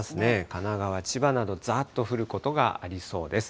神奈川、千葉など、ざーっと降ることがありそうです。